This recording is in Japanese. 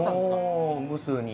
もう無数に！